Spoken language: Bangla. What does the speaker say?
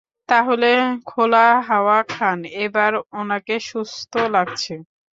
তাহলে খোলা হাওয়া খান, এবার উনাকে সুস্থ লাগছে।